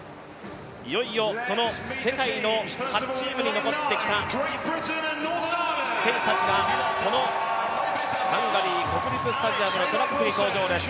いよいよ世界の８チームに残ってきた選手たちがこのハンガリー国立スタジアムのトラックに登場です。